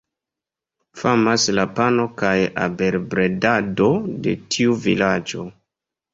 Famas la pano kaj abelbredado de tiu vilaĝo.